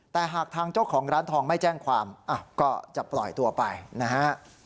แต่หากทางเจ้าของร้านทองไม่แจ้งความก็จะปล่อยตัวไปนะฮะ